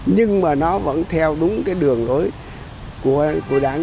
nhưng mà nó vẫn theo đúng cái đường lối của đảng